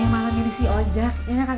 ianya malah diri si ojak